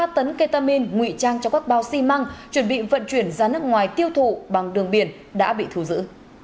một ba tấn ketamine ngụy trang cho các bao xi măng chuẩn bị vận chuyển ra nước ngoài tiêu thụ bằng đường biển đã bị thù dữ